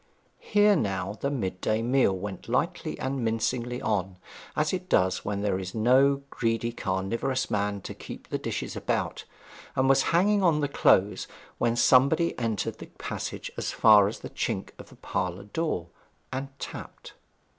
Here now the mid day meal went lightly and mincingly on, as it does where there is no greedy carnivorous man to keep the dishes about, and was hanging on the close when somebody entered the passage as far as the chink of the parlour door, and tapped.